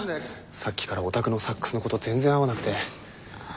さっきからお宅のサックスの子と全然合わなくて。